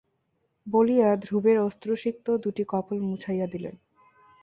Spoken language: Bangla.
বলিয়া ধ্রুবের অশ্রুসিক্ত দুইটি কপোল মুছাইয়া দিলেন।